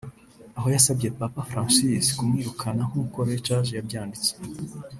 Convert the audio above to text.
aho yasabye Papa Francis kumwirukana nk’uko Reuters yabyanditse